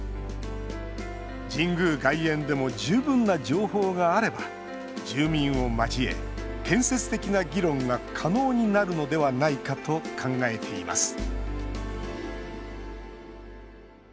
神宮外苑でも十分な情報があれば住民を交え、建設的な議論が可能になるのではないかと考えています